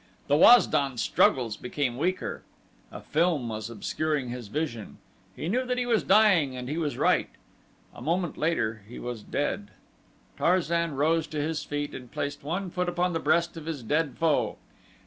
The Waz don's struggles became weaker a film was obscuring his vision. He knew that he was dying and he was right. A moment later he was dead. Tarzan rose to his feet and placed one foot upon the breast of his dead foe.